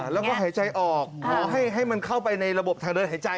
แล้วก็หายใจออกขอให้มันเข้าไปในระบบทางเดินหายใจ